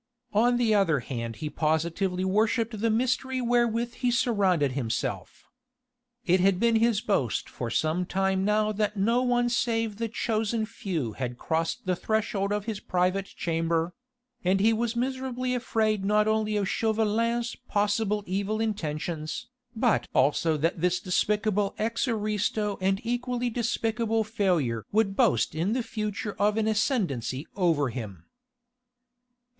On the other hand he positively worshipped the mystery wherewith he surrounded himself. It had been his boast for some time now that no one save the chosen few had crossed the threshold of his private chamber: and he was miserably afraid not only of Chauvelin's possible evil intentions, but also that this despicable ex aristo and equally despicable failure would boast in the future of an ascendancy over him.